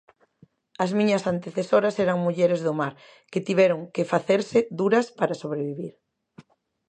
As miñas antecesoras eran mulleres do mar que tiveron que facerse duras para sobrevivir.